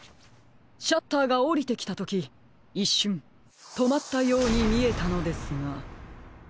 シャッターがおりてきたときいっしゅんとまったようにみえたのですが。